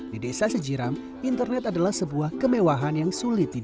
di desa sejiram internet adalah sebuah kemewahan yang sulit ditemukan